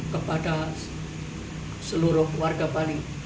kepada seluruh warga bali